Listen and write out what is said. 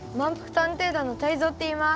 探偵団のタイゾウっていいます。